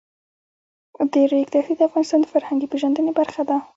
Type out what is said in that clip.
د ریګ دښتې د افغانانو د فرهنګي پیژندنې برخه ده.